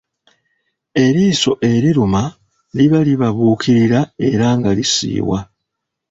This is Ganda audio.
Eriiso eriruma liba libabuukirira era nga lisiiwa.